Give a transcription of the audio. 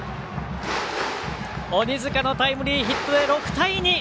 鬼塚のタイムリーヒットで６対２。